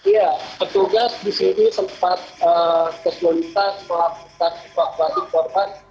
ya petugas di sini sempat kesulitan melakukan evakuasi korban